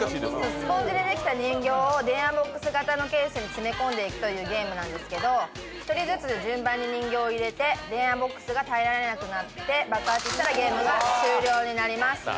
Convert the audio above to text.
スポンジでできた人形を電話ボックス型のケースに詰めこんでいくというゲームなんですけど１人ずつ順番に人形を入れて電話ボックスが耐えられなくなって爆発したらゲームが終了になります。